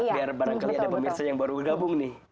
biar barangkali ada pemirsa yang baru gabung nih